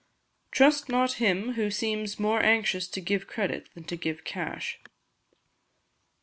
Trust not him who seems more anxious to give credit than to receive cash. 993.